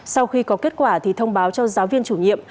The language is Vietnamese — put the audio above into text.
sau khi có kết quả thì thông báo cho giáo viên chủ nhiệm